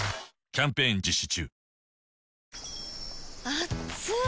あっつい！